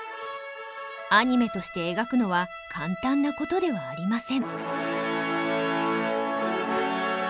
アニメとして描くのは簡単なことではありません。